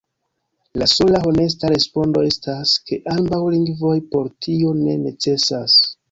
La sola honesta respondo estas, ke ambaŭ lingvoj por tio ne necesas.